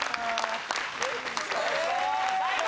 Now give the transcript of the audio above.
最高！